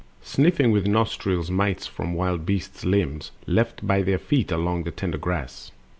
Sniffing with nostrils mites from wild beasts' limbs, Left by their feet along the tender grass.